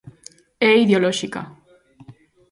E ideolóxica.